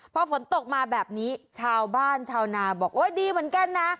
พอฝนตกมาแบบนี้ชาวบ้านชาวนาบอกโอ๊ยดีเหมือนกันนะ